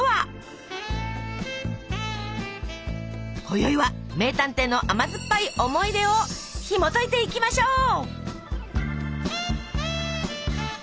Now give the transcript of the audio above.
こよいは名探偵の甘酸っぱい思い出をひもといていきましょう。